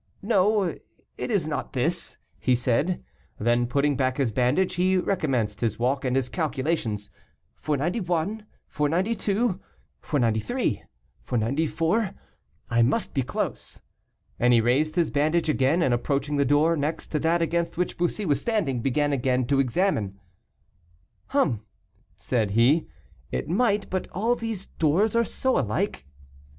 "No, it is not this," he said. Then, putting back his bandage, he recommenced his walk and his calculations. "491, 492, 493, 494; I must be close." And he raised his bandage again, and, approaching the door next to that against which Bussy was standing, began again to examine. "Hum!" said he, "it might, but all these doors are so alike."